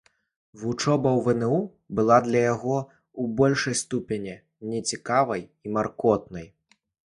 Вучоба ў вну была для яго, у большай ступені, нецікавай і маркотнай.